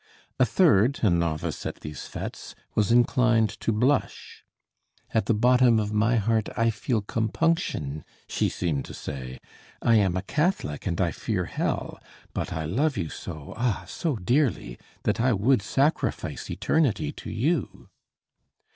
A third, a novice at these fêtes, was inclined to blush. "At the bottom of my heart I feel compunction," she seemed to say. "I am a Catholic and I fear hell; but I love you so ah, so dearly that I would sacrifice eternity to you!"